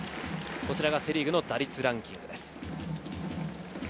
こちらがセ・リーグの打率ランキングです。